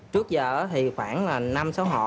trước giờ thì khoảng năm sáu hộ